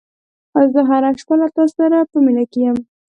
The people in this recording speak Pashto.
زه هره شېبه له تا سره په مینه کې یم.